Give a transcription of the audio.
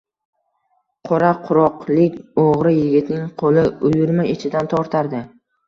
Qoraquroqlik o‘g‘ri yigitning qo‘li uyurma ichidan tortardi.